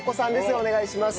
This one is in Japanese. お願いします。